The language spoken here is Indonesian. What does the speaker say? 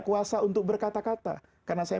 kuasa untuk berkata kata karena saya